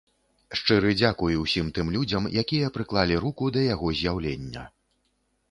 Шчыры дзякуй усім тым людзям, якія прыклалі руку да яго з'яўлення.